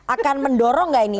akan mendorong gak ini